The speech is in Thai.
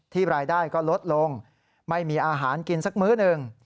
รายได้ก็ลดลงไม่มีอาหารกินสักมื้อหนึ่ง